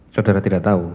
saudara tidak tahu